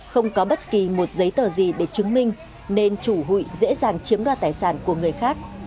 không có bất kỳ một giấy tờ gì để chứng minh nên chủ hụi dễ dàng chiếm đoạt tài sản của người khác